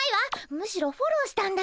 むしろフォローしたんだけど。